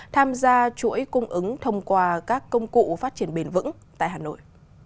tham gia chuỗi cung ứng thông qua các công cụ phát triển bền vững tại hà nội